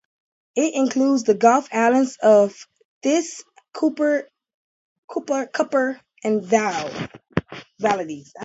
It includes the Gulf Islands of Thetis, Kuper and Valdes.